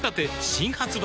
新発売